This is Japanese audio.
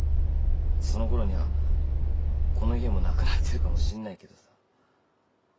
そのころにはこの家もなくなってるかもしんないけどさ。